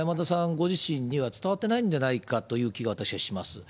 ご自身には伝わってないんじゃないかという気が私はします。